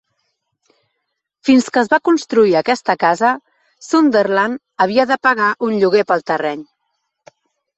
Fins que es va construir aquesta casa, Sunderland havia de pagar un lloguer pel terreny.